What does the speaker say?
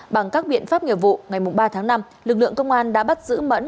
bằng các biện pháp nghiệp vụ ngày ba tháng năm lực lượng công an đã bắt giữ mẫn